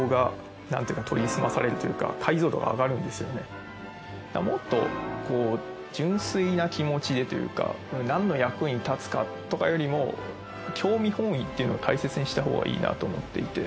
本当にもっと純粋な気持ちでというか何の役に立つかとかよりも興味本位っていうのを大切にしたほうがいいなと思っていて。